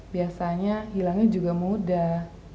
biasanya hilangnya juga mudah